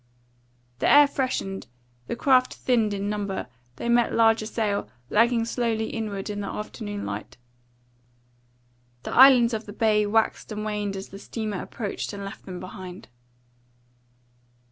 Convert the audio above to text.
The air freshened; the craft thinned in number; they met larger sail, lagging slowly inward in the afternoon light; the islands of the bay waxed and waned as the steamer approached and left them behind.